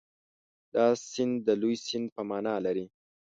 دا سیند د لوی سیند په معنا لري.